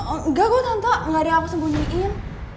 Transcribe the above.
enggak kok tante gak ada yang aku sembunyiin